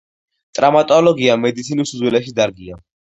ტრავმატოლოგია მედიცინის უძველესი დარგია.